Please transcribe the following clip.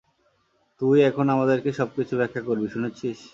তুই এখন আমাদেরকে সবকিছু ব্যাখ্যা করবি, শুনেছিস?